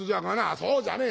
「そうじゃねえ